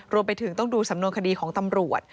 รวมไปถึงต้องดูสำนวนคดีของตำรวจ